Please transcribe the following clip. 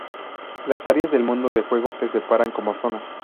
Las áreas del mundo de juego se separan como zonas.